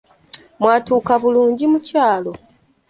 Mwatuuka bulungi mukyalo?